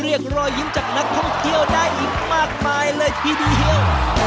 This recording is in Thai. รอยยิ้มจากนักท่องเที่ยวได้อีกมากมายเลยทีเดียว